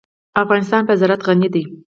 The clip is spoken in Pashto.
افغانستان په زراعت غني دی.